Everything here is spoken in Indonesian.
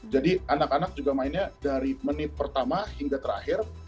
jadi anak anak juga mainnya dari menit pertama hingga terakhir